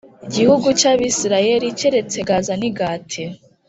Gihugu cy abisirayeli keretse gaza n i gati